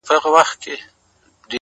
رب دي سپوږمۍ كه چي رڼا دي ووينمه’